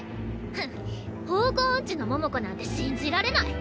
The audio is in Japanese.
フン方向おんちの桃子なんて信じられない。